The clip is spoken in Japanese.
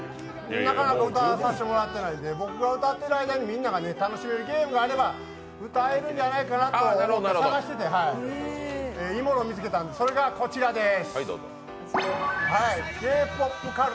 なかなか歌わさせてもらえてないので僕が歌っている間にみんなが楽しめるゲームがあれば歌えるんじゃないかなと思って探してて、いいものを見つけたのでそれがこちらです。